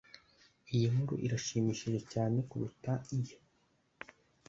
Iyi nkuru irashimishije cyane kuruta iyo